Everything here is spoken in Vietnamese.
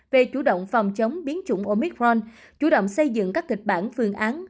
về chủ động phòng chống biến chủng omicron chủ động xây dựng các kịch bản phương án